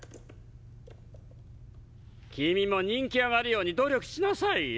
君も人気上がるように努力しなさいよ。